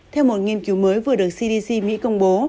theo một nghiên cứu mới vừa được cdc mỹ công bố